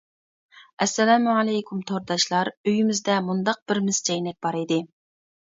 ئەسسالامۇئەلەيكۇم، تورداشلار: ئۆيىمىزدە مۇنداق بىر مىس چەينەك بار ئىدى.